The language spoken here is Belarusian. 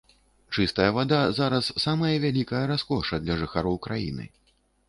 Чыстая вада зараз самае вялікае раскоша для жыхароў краіны.